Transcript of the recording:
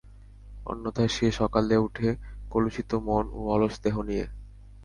অন্যথায় সে সকালে ওঠে কলুষিত মন ও অলস দেহ নিয়ে।